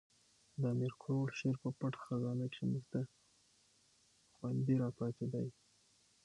د امیر کروړ شعر په پټه خزانه کښي موږ ته خوندي را پاتي دي.